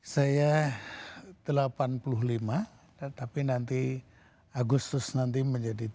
saya delapan puluh lima tapi nanti agustus nanti menjadi tiga puluh